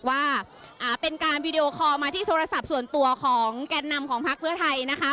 ว่าเป็นการวีดีโอคอลมาที่โทรศัพท์ส่วนตัวของแก่นนำของพักเพื่อไทยนะคะ